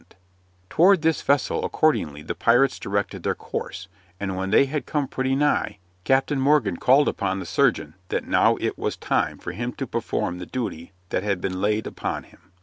Toward this vessel accordingly the pirates directed their course, and when they had come pretty nigh, Captain Morgan called upon the surgeon that now it was time for him to perform the duty that had been laid upon him.